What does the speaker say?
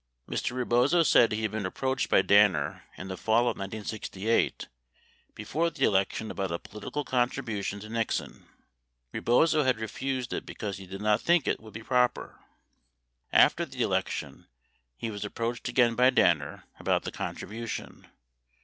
Mr. Rebozo said he had been approached by Danner in the fall of 1968 before the election about a political contribution to Nixon. Rebozo had refused it because he did not think it would be proper. After the election, he was approached again by Danner about the contribution.